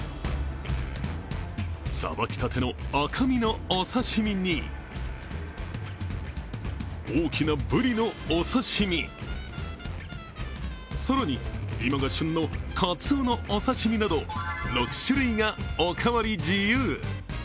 さばきたての赤身のお刺身に大きなぶりのお刺身、更に、今が旬のかつおのお刺身など６種類がおかわり自由。